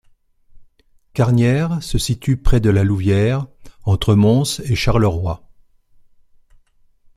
Carnières se situe près de La Louvière, entre Mons et Charleroi.